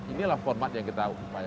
inilah format yang kita upayakan